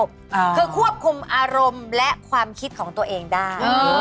คือควบคุมอารมณ์และความคิดของตัวเองได้